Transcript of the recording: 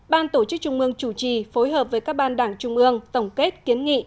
ban tổ chức trung ương chủ trì phối hợp với các ban đảng trung ương tổng kết kiến nghị